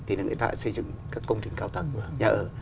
thì người ta sẽ xây dựng các công trình cao tăng nhà ở